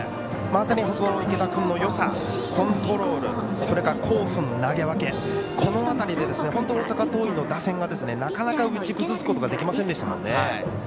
まさに池田君のよさコントロール、それからコースへの投げ分けこの辺りで本当に大阪桐蔭の打線がなかなか打ち崩すことができませんでしたもんね。